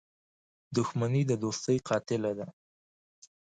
• دښمني د دوستۍ قاتله ده.